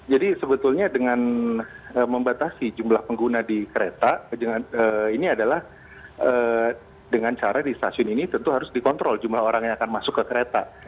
jadi sebetulnya dengan membatasi jumlah pengguna di kereta ini adalah dengan cara di stasiun ini tentu harus dikontrol jumlah orang yang akan masuk ke kereta